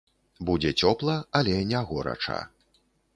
Будзе цёпла, але не горача.